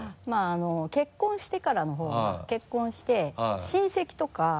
結婚してからのほうが結婚して親戚とか。